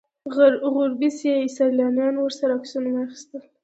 غربي سیلانیانو ورسره عکسونه اخیستل.